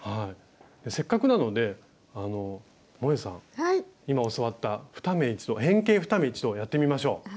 せっかくなのでもえさん今教わった変形２目一度をやってみましょう。